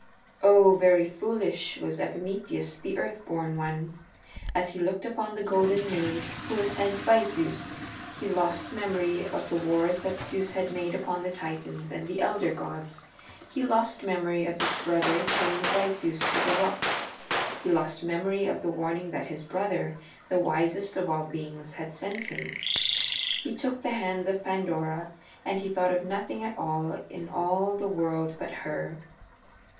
Oh, very foolish was Epimetheus the Earth born One! As he looked upon the Golden Maid who was sent by Zeus he lost memory of the wars that Zeus had made upon the Titans and the Elder Gods; he lost memory of his brother chained by Zeus to the rock; he lost memory of the warning that his brother, the wisest of all beings, had sent him. He took the hands of Pandora, and he thought of nothing at all in all the world but her.